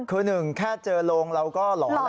คือหนึ่งแค่เจอโรงเราก็หลอน